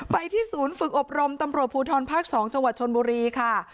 ไปที่ศูนย์ฝึกอบรมตำรวจภูทรภาค๒จังหวัดชนบุรีค่ะ